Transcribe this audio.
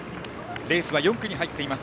レースは４区に入っています。